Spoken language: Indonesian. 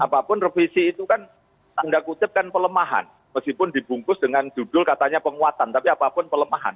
apapun revisi itu kan tanda kutip kan pelemahan meskipun dibungkus dengan judul katanya penguatan tapi apapun pelemahan